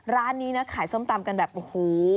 ร้านนี้นะขายส้มตำกันแบบโอ้โห